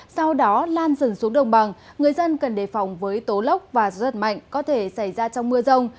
sau đó lan dần xuống đồng bằng người dân cần đề phòng với tố lốc và gió giật mạnh có thể xảy ra trong mưa rông